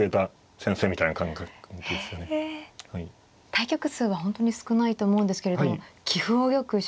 対局数は本当に少ないと思うんですけれども棋譜をよく修業時代から並べて。